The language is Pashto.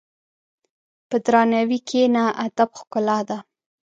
په درناوي کښېنه، ادب ښکلا ده.